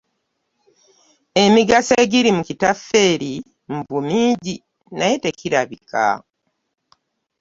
Emigaso egiri mu kitaffeeri mbu mingi naye tekirabika!